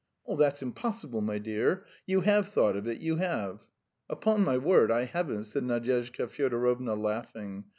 "That's impossible, my dear. You have thought of it, you have." "Upon my word, I haven't," said Nadyezhda Fyodorovna, laughing.